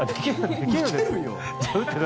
打てるよ。